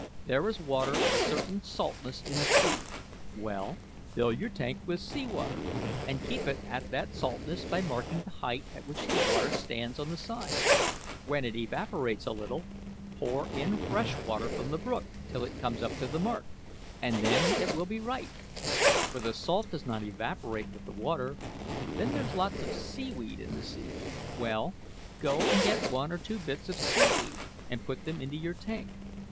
There is water of a certain saltness in the sea; well, fill your tank with sea water, and keep it at that saltness by marking the height at which the water stands on the sides. When it evaporates a little, pour in fresh water from the brook till it comes up to the mark, and then it will be right, for the salt does not evaporate with the water. Then there's lots of seaweed in the sea; well, go and get one or two bits of seaweed and put them into your tank.